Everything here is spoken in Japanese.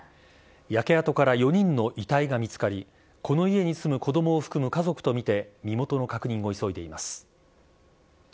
焼け跡から４人の遺体が見つかり、この家に住む子どもを含む家族と見て、身元の確認を急いでいます。